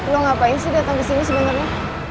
lo ngapain sih datang kesini sebenernya